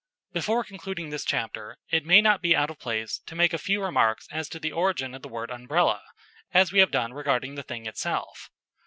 Before concluding this chapter, it may not be out of place to make a few remarks as to the origin of the word Umbrella, as we have done regarding the thing itself.